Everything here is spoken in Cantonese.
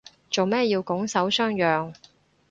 做咩要拱手相讓